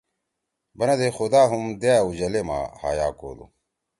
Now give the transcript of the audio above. بَننَدی خدا ہم دأ اُجلے ما حیا کودو